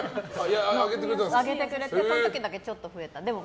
あげてくれてその時だけちょっと増えた。